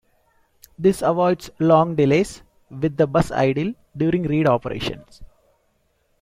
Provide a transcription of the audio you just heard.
This avoids long delays, with the bus idle, during read operations.